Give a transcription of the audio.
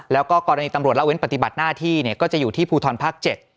แล้วก็กรณีตำรวจละเว้นปฏิบัติหน้าที่ก็จะอยู่ที่ภูทรภาค๗